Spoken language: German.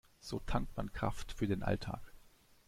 So tankt man Kraft für den Alltag.